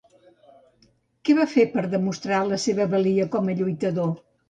Què fa per a demostrar la seva valia com a lluitador?